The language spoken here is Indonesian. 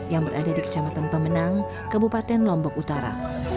yang berada di kecamatan pemenang kabupaten lombok utara